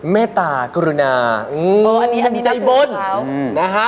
เมตากรุณามุมใจบ้น